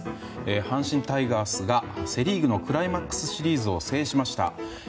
阪神タイガースがセ・リーグのクライマックスシリーズを制しました。